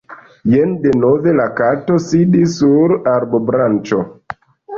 Jen denove la Kato sidis sur arbobranĉo.